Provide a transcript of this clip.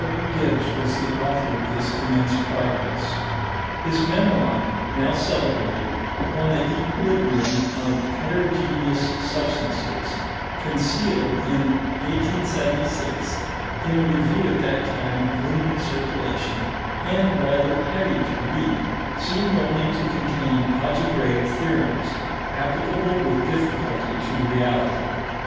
W. Gibbs was the author of this immense progress. His memoir, now celebrated, on "the equilibrium of heterogeneous substances," concealed in 1876 in a review at that time of limited circulation, and rather heavy to read, seemed only to contain algebraic theorems applicable with difficulty to reality.